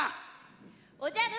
おじゃる！